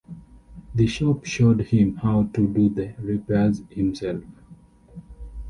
The shop showed him how to do the repairs himself.